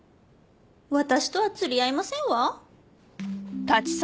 私とは釣り合いませんわ。